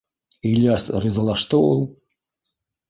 — Ильяс ризалашты ул.